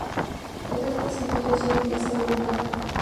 Actualmente se encuentra allí la Plaza Roberto Arlt.